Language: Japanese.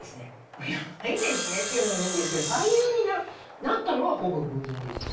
まぁ「ないですね」って言うのも変ですけど俳優になるなったのはほぼ偶然ですよ